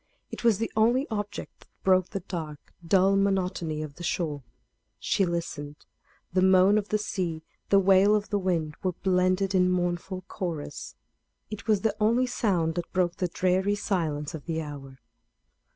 It was the only object that broke the dark, dull monotony of the shore. She listened; the moan of the sea, the wail of the wind, were blended in mournful chorus. It was the only sound that broke the dreary silence of the hour.